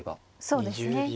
そうですね。